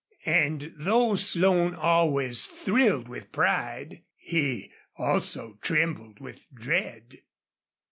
And though Slone always thrilled with pride, he also trembled with dread.